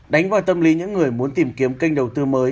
đánh vào tâm lý những người muốn tìm kiếm kênh đầu tư mới